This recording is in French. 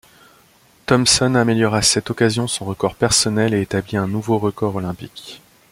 Thompson améliore à cette occasion son record personnel et établit un nouveau record olympique.